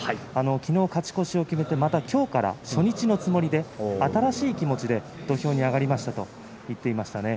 昨日勝ち越しを決めて今日から初日のつもりで新しい気持ちで、土俵に上がりましたと言っていました。